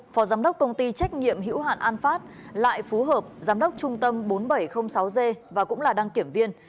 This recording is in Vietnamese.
phó giám đốc công ty trách nhiệm hữu hạn an phát lại phú hợp giám đốc trung tâm bốn nghìn bảy trăm linh sáu g và cũng là đăng kiểm viên